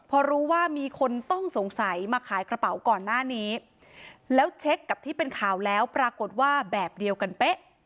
พอรู้ว่ามีคนต้องสงสัยมาขายกระเป๋าก่อนหน้านี้แล้วเช็คกับที่เป็นข่าวแล้วปรากฏว่าแบบเดียวกันเป๊ะ